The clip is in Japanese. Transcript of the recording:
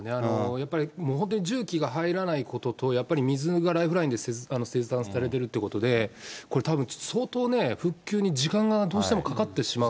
やっぱりもう本当に入らないことと、やっぱり水がライフラインで切断されているということで、これ、たぶん相当ね、復旧に時間がどうしてもかかってしまう。